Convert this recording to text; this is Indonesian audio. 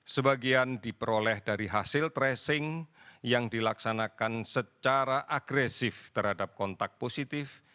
sebagian diperoleh dari hasil tracing yang dilaksanakan secara agresif terhadap kontak positif